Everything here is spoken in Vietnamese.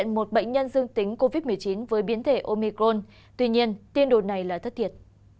một bệnh nhân dương tính covid một mươi chín với biến thể omicron tuy nhiên tin đồn này là thất thiệt